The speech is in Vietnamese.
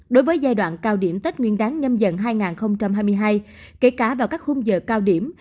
đối với giai đoạn cao điểm tết nguyên đáng nhâm dần hai nghìn hai mươi hai kể cả vào các khung giờ cao điểm